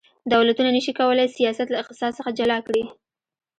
دولتونه نشي کولی سیاست له اقتصاد څخه جلا کړي